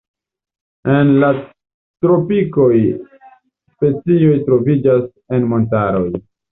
En la tropikoj specioj troviĝas en montaroj.